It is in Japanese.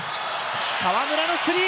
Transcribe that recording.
河村のスリー！